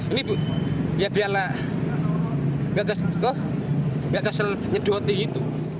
ini ya biarlah gak kesel nyedotin itu